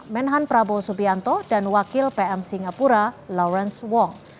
menhan prabowo subianto dan wakil pm singapura lawrence wong